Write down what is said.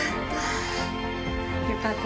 よかった。